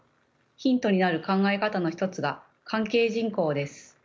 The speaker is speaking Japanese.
ヒントになる考え方の一つが関係人口です。